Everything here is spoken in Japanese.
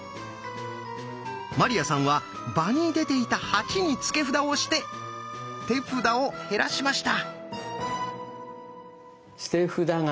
鞠杏さんは場に出ていた「８」に付け札をして手札を減らしました。